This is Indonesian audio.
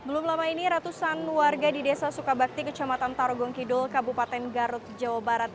belum lama ini ratusan warga di desa sukabakti kecamatan tarogong kidul kabupaten garut jawa barat